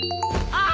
あ！